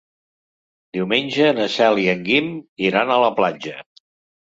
Diumenge na Cel i en Guim iran a la platja.